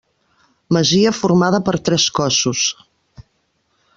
Masia formada per tres cossos.